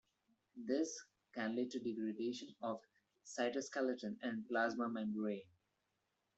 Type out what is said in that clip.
This can lead to degradation of the cytoskeleton and plasma membrane.